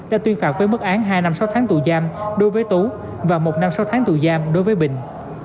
đã tuyên phạt với mức án hai năm sáu tháng tù giam đối với tú và một năm sáu tháng tù giam đối với bình